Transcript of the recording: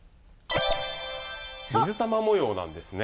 水玉模様なんですね。